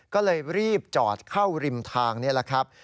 ก็เลยรีบจอดเข้าริมทางนี่แหละครับ